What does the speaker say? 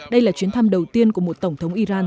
đây là chuyến thăm đầu tiên của một tổng thống iran